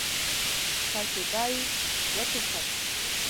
ښه شېبه يې وټوخل.